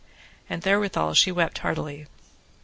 And therewithal she wept heartily.